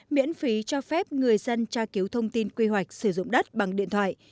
miễn phí cho phép người dân tra cứu thông tin quy hoạch sử dụng đất bằng điện thoại